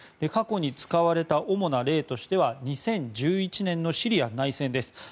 過去に使われた主な例としては２０１１年のシリア内戦です。